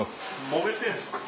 もめてんすか。